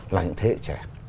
là những thế hệ trẻ